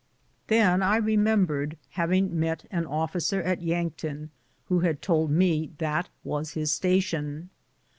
Then I remembered having met an officer at Yankton who had told me that was his station.